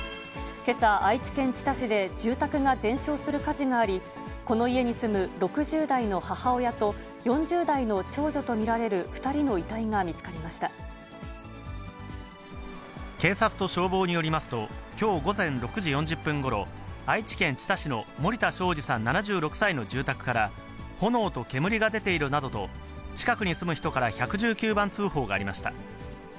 けさ、愛知県知多市で住宅が全焼する火事があり、この家に住む６０代の母親と４０代の長女と見られる２人の遺体が警察と消防によりますと、きょう午前６時４０分ごろ、愛知県知多市の森田正二さん７６歳の住宅から、炎と煙が出ているなどと、近くに住む人から１１９番通報がありました。